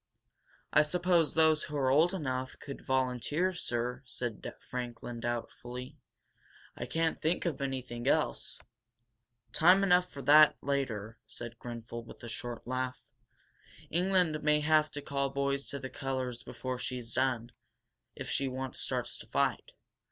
"I suppose those who are old enough could volunteer, sir," said Franklin, doubtfully. "I can't think of anything else " "Time enough for that later," said Grenfel, with a short laugh. "England may have to call boys to the colors before she's done, if she once starts to fight.